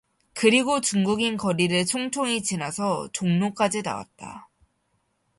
그리고 중국인 거리를 총총히 지나서 종로까지 나왔다.